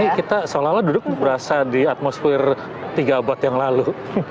tapi kita seolah olah duduk berasa di atmosfer tiga abad yang lalu